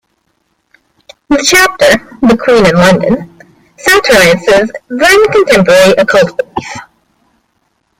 The chapter "The Queen in London" satirises then-contemporary occult belief.